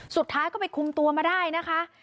สุดท้ายก็ไปคุมตัวมาได้นะคะ